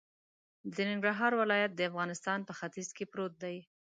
د ننګرهار ولایت د افغانستان په ختیځ کی پروت دی